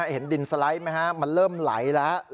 เห็นดินสไลด์ไหมฮะมันเริ่มไหลแล้ว